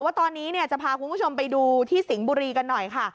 ว่าตอนนี้จะพาคุณผู้ชมไปดูที่สิงห์บุรีกันหน่อยค่ะ